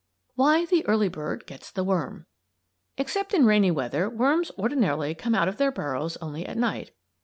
WHY THE EARLY BIRD GETS THE WORM Except in rainy weather worms ordinarily come out of their burrows only at night.